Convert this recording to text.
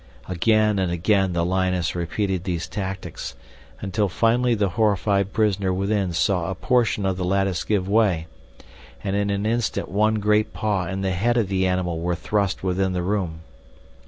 Again and again the lioness repeated these tactics, until finally the horrified prisoner within saw a portion of the lattice give way, and in an instant one great paw and the head of the animal were thrust within the room.